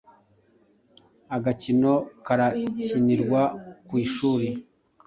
Agakino karakinirwa ku ishuri.